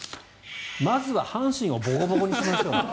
まずは阪神をボコボコにしましょう。